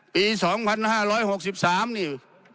ปี๒๕๖๓นี่